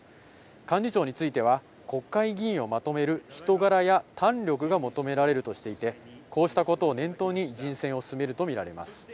幹事長については、国会議員をまとめる人柄や胆力が求められるとしていて、こうしたことを念頭に人選を進めると見られます。